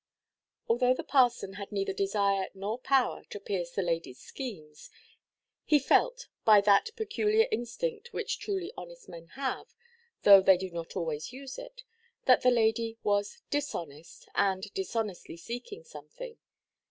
Although the parson had neither desire nor power to pierce the ladyʼs schemes, he felt, by that peculiar instinct which truly honest men have (though they do not always use it), that the lady was dishonest, and dishonestly seeking something.